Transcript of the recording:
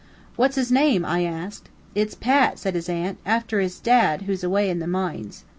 "What's his name?" I asked. "It's Pat," said his aunt, "afther his dad, who's away in the moines."